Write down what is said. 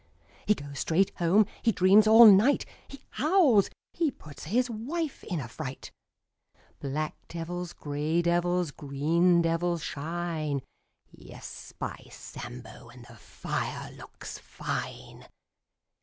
" He goes straight home. He dreams all night. He howls. He puts his wife in a fright. Black devils, grey devils, green devils shine — Yes, by Sambo, And the fire looks fine!